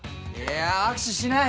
握手しない。